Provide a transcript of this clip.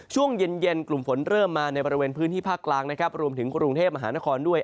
ช่วงเย็นเย็นกลุ่มฝนเริ่มมาในบริเวณพื้นที่ภาคกลางนะครับรวมถึงกรุงเทพมหานครด้วย